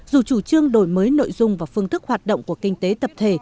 dù chủ trương đổi mới nội dung và phương thức hoạt động của kinh tế tập thể